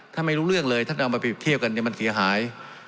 ถ้าไม่รู้เรื่องเลยท่านเอามาไปเที่ยวกันมันเสียหาย